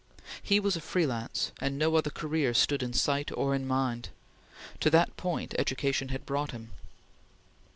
He was a free lance and no other career stood in sight or mind. To that point education had brought him.